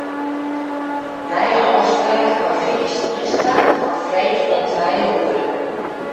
Nije ôfspraak mei Vicky Stienstra foar freed om trije oere.